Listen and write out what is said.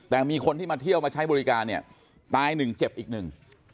แต่มีคนที่มาเที่ยวมาใช้บริการเนี่ยตายหนึ่งเจ็บอีกหนึ่ง